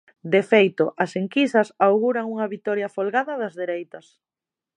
De feito, as enquisas auguran unha vitoria folgada das dereitas.